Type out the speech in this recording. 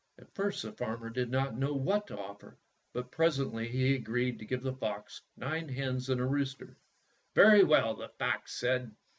At first the farmer did not know what to offer, but presently he agreed to give the fox nine hens and a rooster. "Very well," the fox said.